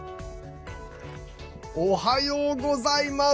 おはようございます。